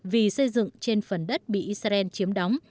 vì xây dựng trên phần đất bị israel chiếm đóng